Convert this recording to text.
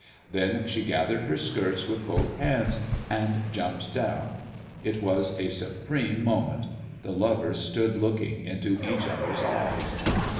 Then she gathered her skirts with both hands and jumped down. It was a supreme moment. The lovers stood looking into each other's eyes.